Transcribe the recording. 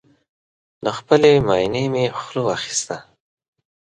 له خپلې ماينې مې خوله واخيسته